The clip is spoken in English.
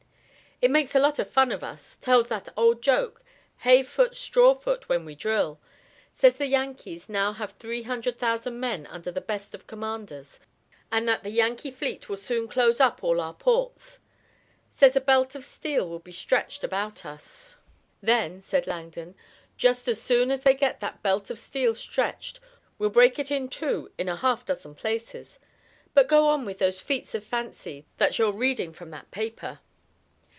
It makes a lot of fun of us. Tells that old joke, 'hay foot, straw foot,' when we drill. Says the Yankees now have three hundred thousand men under the best of commanders, and that the Yankee fleet will soon close up all our ports. Says a belt of steel will be stretched about us." "Then," said Langdon, "just as soon as they get that belt of steel stretched we'll break it in two in a half dozen places. But go on with those feats of fancy that you're reading from that paper."